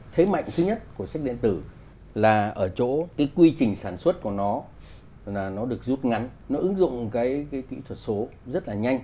thế mạnh thứ nhất của sách điện tử là ở chỗ cái quy trình sản xuất của nó là nó được rút ngắn nó ứng dụng cái kỹ thuật số rất là nhanh